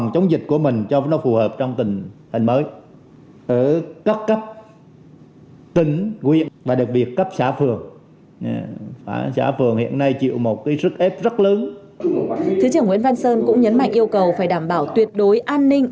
thứ trưởng nguyễn văn sơn cũng nhấn mạnh yêu cầu phải đảm bảo tuyệt đối an ninh